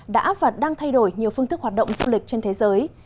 đã và đang thay đổi nhiều phương thức hoạt động du lịch trên thế giới